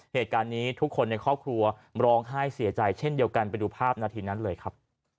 เหตุการณ์นี้ทุกคนในครอบครัวร้องไห้เสียใจเช่นเดียวกันไปดูภาพนาทีนั้นเลยครับ